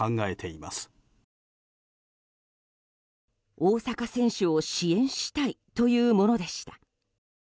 大坂選手を支援したいというものでした。